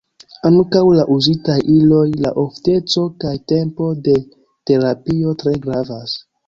Ankaŭ la uzitaj iloj, la ofteco kaj tempo de terapio tre gravas.